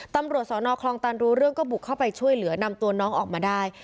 ตำรวจสอนอคลองตันรู้เรื่องก็บุกเข้าไปช่วยเหลือนำตัวน้องออกมาได้